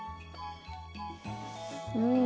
うん。